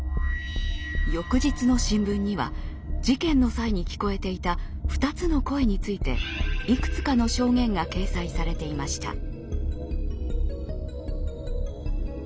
翌日の新聞には事件の際に聞こえていた二つの声についていくつかの証言が掲載されていました。